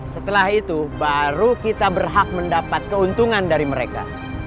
setelah itu baru kita berhak mendapat keuntungan dari mereka